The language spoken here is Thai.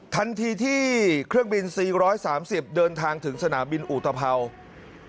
ทันทีที่เครื่องบิน๔๓๐เดินทางถึงสนามบินอุตภัวร์